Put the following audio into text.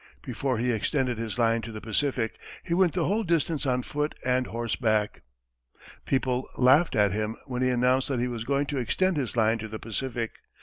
Before he extended his line to the Pacific, he went the whole distance on foot and horseback. People laughed at him when he announced that he was going to extend his line to the Pacific.